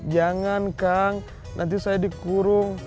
jangan kang nanti saya dikurung